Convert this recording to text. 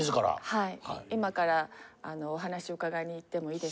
はい。